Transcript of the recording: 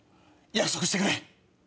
約束してくれ。